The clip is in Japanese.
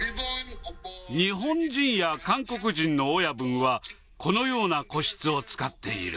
日本人や韓国人の親分は、このような個室を使っている。